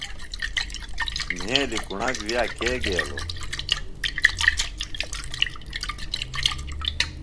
مھیلیۡ کُݨاک وِیہ کے گیلوۡ؟